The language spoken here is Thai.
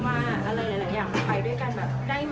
ว่าอะไรหลายอย่างไปด้วยกันได้ไหม